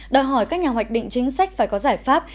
đòi hỏi các nhà hoạch định chính sách phải có giải pháp